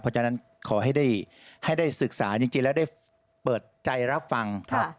เพราะฉะนั้นขอให้ได้ศึกษาจริงแล้วได้เปิดใจรับฟัง